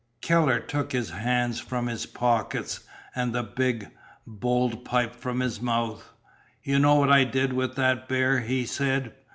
Keller took his hands from his pockets and the big, bowled pipe from his mouth. "You know what I did with that bear," he said.